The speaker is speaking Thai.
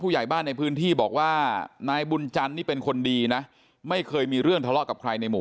ผู้หญ่ายบ้านในพื้นที่บอกว่านายบุญจันทร์เป็นคนดีนะ